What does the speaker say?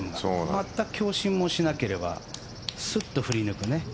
まったく強振もしなければすっと振り抜く。